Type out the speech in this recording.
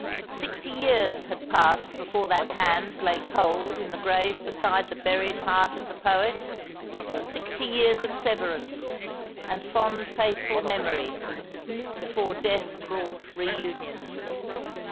Sixty years had passed before that hand lay cold in the grave beside the buried heart of the poet, sixty years of severance, and fond faithful memory, before death brought reunion.